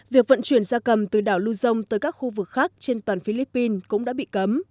việc vận chuyển da cầm từ đảo luzon tới các khu vực khác trên toàn philippines cũng đã bị cấm